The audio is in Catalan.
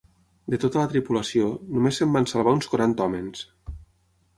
De tota la tripulació, només se'n van salvar uns quaranta homes.